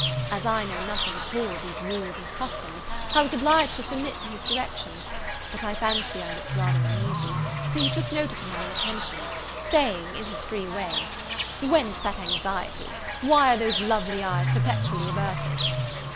As I know nothing at all of these rules and customs I was obliged to submit to his directions; but I fancy I looked rather uneasy, for he took notice of my inattention, saying, in his free way, "Whence that anxiety? Why are those lovely eyes perpetually averted?"